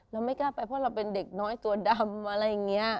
ไม่กล้าไปเพราะเราเป็นเด็กน้อยตัวดำอะไรอย่างนี้